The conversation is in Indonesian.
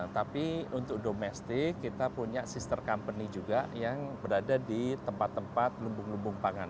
tapi untuk domestik kita punya sister company juga yang berada di tempat tempat lumbung lumbung pangan